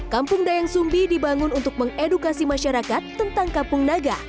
kampung dayang sumbi dibangun untuk mengedukasi masyarakat tentang kampung naga